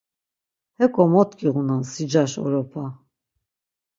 Heǩo mot giğunan sicaş oropa?